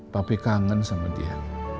papi kangen sama dia